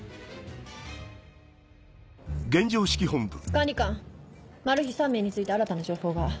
管理官マル被３名について新たな情報が。